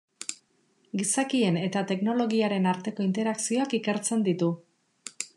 Gizakien eta teknologiaren arteko interakzioak ikertzen ditu.